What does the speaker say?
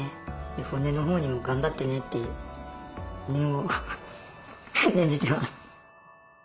骨のほうにも頑張ってねって念を念じてます。